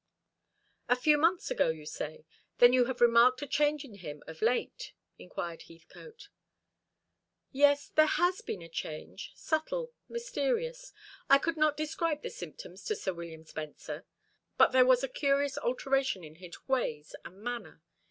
"A few months ago, you say. Then you have remarked a change in him of late?" inquired Heathcote. "Yes, there has been a change, subtle, mysterious. I could not describe the symptoms to Sir William Spencer. But there was a curious alteration in his ways and manner.